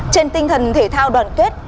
trên tinh thần thể thao đoàn tuyết